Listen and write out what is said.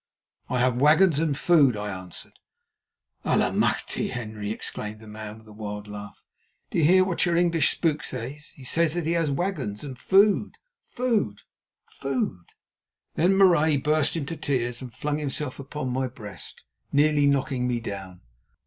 "I have wagons and food," I answered. "Allemachte! Henri," exclaimed the man, with a wild laugh, "do you hear what your English spook says? He says that he has wagons and food, food, food!" Then Marais burst into tears and flung himself upon my breast, nearly knocking me down.